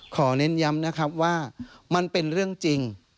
เน้นย้ำนะครับว่ามันเป็นเรื่องจริง